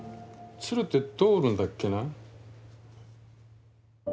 鶴ってどう折るんだっけな？